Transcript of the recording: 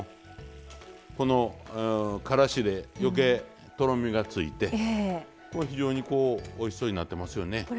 このからしで余計とろみがついて非常においしそうになってますよね。